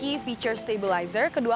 jika kita berpikir tentang kamera